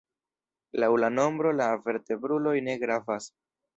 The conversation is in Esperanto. Laŭ la nombro la vertebruloj ne gravas.